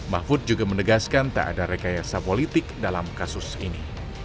mahfud juga menegaskan tak ada rekayasa politik dalam kasus ini